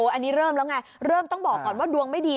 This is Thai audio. อันนี้เริ่มแล้วไงเริ่มต้องบอกก่อนว่าดวงไม่ดี